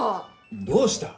どうした？